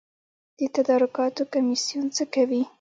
د تدارکاتو کمیسیون څه کوي؟